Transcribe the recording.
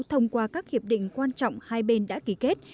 thông qua các hiệp định quan trọng hai bên đã ký kết